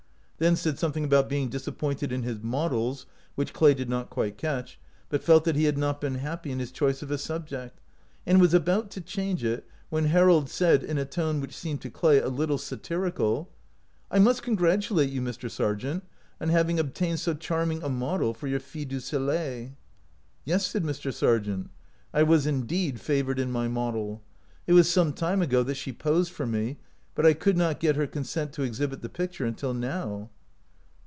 Then said something about being disappointed in his models, which Clay did not quite catch, but felt that he had not been happy in his choice of a subject, and was about to change it, when Harold said, in a tone which seemed to Clay a little satirical :" I must congratulate you, Mr. Sargent, on having obtained so charming a model for your 'Fille du Soleii: " %i Yes," said Mr. Sargent, " I was indeed favored in my model. It was some time ago that she posed for me, but I could not get her consent to exhibit the picture until now."